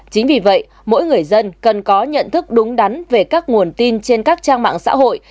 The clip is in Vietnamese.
chính vì vậy mỗi người dân cần có nhận thức đúng đắn về các nguồn tin trên các trang mạng xã hội